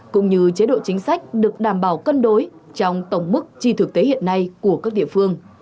cũng như chế độ chính sách được đảm bảo cân đối trong tổng mức chi thực tế hiện nay của các địa phương